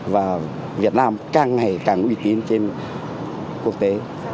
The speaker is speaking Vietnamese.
và việt nam càng ngày càng uy tín trên quốc tế